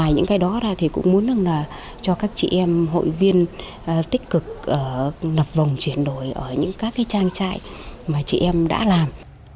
nhưng cũng là cho các chị em hội viên tích cực lập vòng chuyển đổi ở những các trang trại mà chị em đã làm